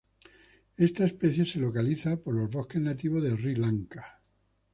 Esta especie se localiza por los bosques nativos de Sri Lanka.